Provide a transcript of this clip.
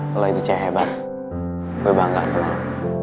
kalau itu cahaya hebat gue bangga sama lo